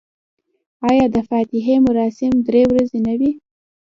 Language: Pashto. آیا د فاتحې مراسم درې ورځې نه وي؟